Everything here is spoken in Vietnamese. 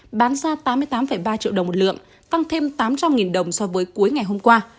giá vàng sgc bán ra tám mươi tám ba triệu đồng một lượng tăng thêm tám trăm linh đồng so với cuối ngày hôm qua